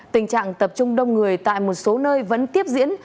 tình trạng tập trung đông người tại một số nơi vẫn tiếp diễn